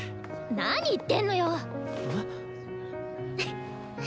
なに言ってんのよ！